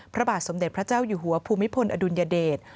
พระบาทสมเด็จพระเจ้าอยู่หัวภูมิพลอดุลยเดช